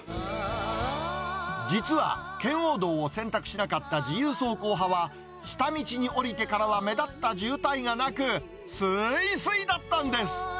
実は、圏央道を選択しなかった自由走行派は、下道に降りてからは目立った渋滞がなく、すいすいだったんです。